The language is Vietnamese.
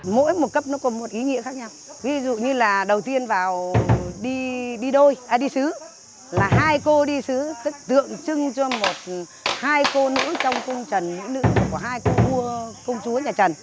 mỗi một cấp nó có một ý nghĩa khác nhau ví dụ như là đầu tiên vào đi xứ là hai cô đi xứ tượng trưng cho hai cô nữ trong công trần mỹ nữ của hai cô vua công chúa nhà trần